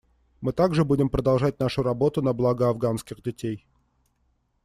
Мы также будем продолжать нашу работу на благо афганских детей.